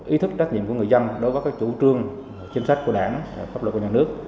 ý thức trách nhiệm của người dân đối với các chủ trương chính sách của đảng pháp luật của nhà nước